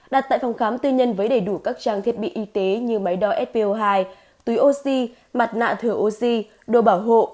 đặt tại phòng khám tư nhân với đầy đủ các trang thiết bị y tế như máy đo sco hai túi oxy mặt nạ thử oxy đồ bảo hộ